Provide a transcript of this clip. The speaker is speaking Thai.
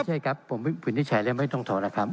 ใช่ครับผมวินิจฉัยแล้วไม่ต้องถอนนะครับ